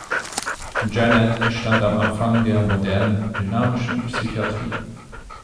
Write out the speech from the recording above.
Janet stand am Anfang der modernen "dynamischen Psychiatrie".